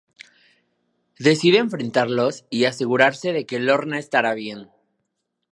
Decide enfrentarlos y asegurarse de que Lorna estará bien.